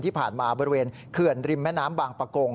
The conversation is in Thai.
ที่ผ่านมาบริเวณเขื่อนริมแม่น้ำบางประกง